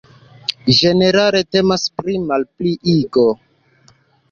Ĝenerale temas pri malpliigo.